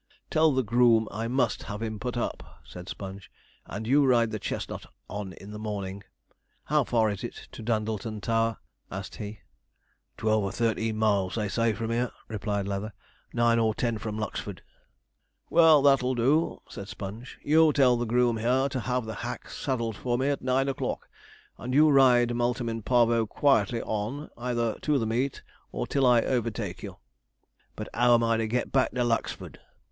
'Tell the groom I must have him put up,' said Sponge; 'and you ride the chestnut on in the morning. How far is it to Dundleton Tower?' asked he. 'Twelve or thirteen miles, they say, from here,' replied Leather; 'nine or ten from Lucksford.' 'Well, that'll do,' said Sponge; 'you tell the groom here to have the hack saddled for me at nine o'clock, and you ride Multum in Parvo quietly on, either to the meet or till I overtake you.' 'But how am I to get back to Lucksford?'